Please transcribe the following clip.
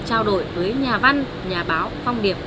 trao đổi với nhà văn nhà báo phong điệp